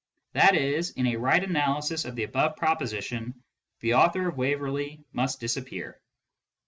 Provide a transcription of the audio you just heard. That is, in a right analysis of the above pro position, " the author of Waverley " must disappear.